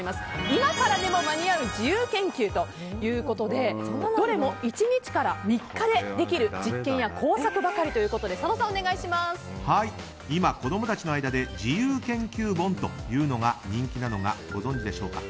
今からでも間に合う自由研究ということでどれも１日から３日でできる実験や工作ばかりということで今、子供たちの間で自由研究本というのが人気なのはご存じでしょうか？